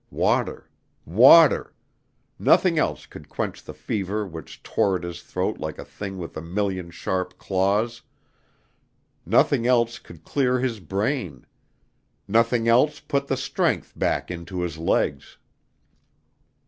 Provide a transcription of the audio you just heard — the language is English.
Water water nothing else could quench the fever which tore at his throat like a thing with a million sharp claws nothing else could clear his brain nothing else put the strength back into his legs.